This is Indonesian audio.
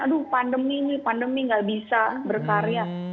aduh pandemi ini pandemi gak bisa berkarya